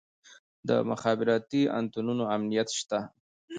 د مخابراتي انتنونو امنیت شته؟